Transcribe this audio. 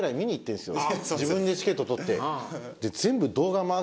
自分でチケット取って。